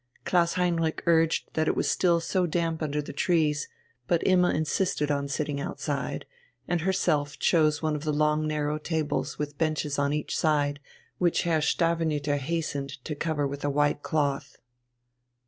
Klaus Heinrich urged that it was still so damp under the trees; but Imma insisted on sitting outside, and herself chose one of the long narrow tables with benches on each side, which Herr Stavenüter hastened to cover with a white cloth.